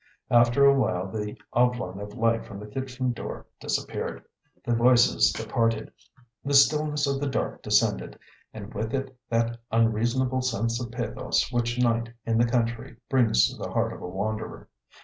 After a while the oblong of light from the kitchen door disappeared; the voices departed; the stillness of the dark descended, and with it that unreasonable sense of pathos which night in the country brings to the heart of a wanderer.